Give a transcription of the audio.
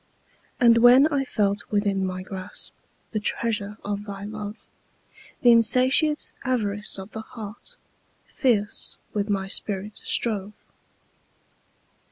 And when I felt within my grasp, The treasure of thy love; The insatiate avarice of the heart Fierce with my spirit strove.